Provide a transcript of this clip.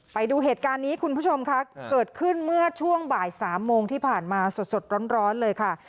ไปดูเหตุการณ์นี้คุณผู้ชมค่ะเกิดขึ้นเมื่อช่วงบ่าย๓โมงที่ผ่านมาสดร้อนเลยค่ะ